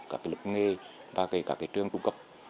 các cái lực nghề và các cái trường trung cấp